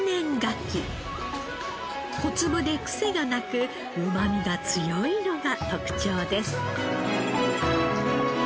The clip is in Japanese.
小粒でクセがなくうまみが強いのが特徴です。